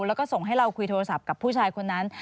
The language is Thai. แล้วก็ส่งให้เราคุยโทรศัพท์กับผู้ชายคนนั้น